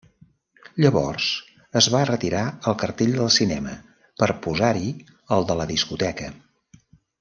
Llavors es va retirar el cartell del cinema per posar-hi el de la discoteca.